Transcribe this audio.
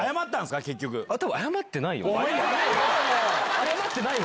謝ってないわ。